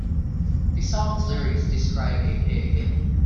The song's lyrics describe a pig.